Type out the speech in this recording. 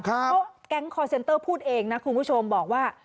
เพราะแก๊งคอร์เซ็นเตอร์พูดเองนะคุณผู้ชมบอกว่า